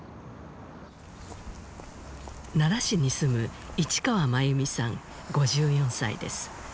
奈良市に住む市川真由美さん５４歳です。